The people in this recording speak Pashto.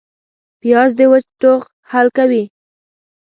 پیاز د وچ ټوخ حل کوي